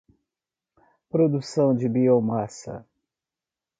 Produção de biomassa